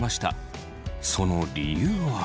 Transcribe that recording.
その理由は。